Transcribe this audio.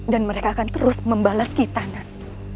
dan mereka akan terus membalas kita nan